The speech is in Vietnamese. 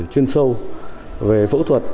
chuyên sâu về phẫu thuật